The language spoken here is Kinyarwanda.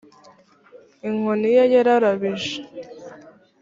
inkoni ye yararabije